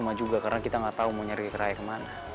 mon jika kau mencari raya malam ini